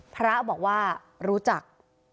พระบอกว่ารู้จัก